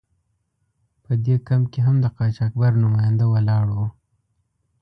په دې کمپ کې هم د قاچاقبر نماینده ولاړ و.